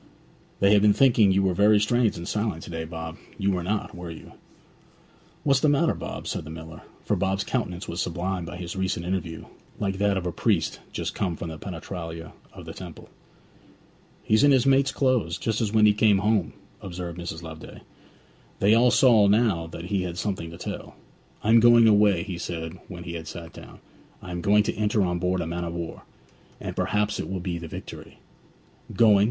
'They have been thinking you were very strange and silent to day, Bob; you were not, were you?' 'What's the matter, Bob?' said the miller; for Bob's countenance was sublimed by his recent interview, like that of a priest just come from the penetralia of the temple. 'He's in his mate's clothes, just as when he came home!' observed Mrs. Loveday. They all saw now that he had something to tell. 'I am going away,' he said when he had sat down. 'I am going to enter on board a man of war, and perhaps it will be the Victory.' 'Going?'